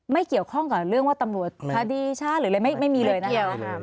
ไม่เกี่ยวข้องกับเรื่องว่าตำรวจพระดีชะหรืออะไรไม่ไม่มีเลยนะคะไม่เกี่ยว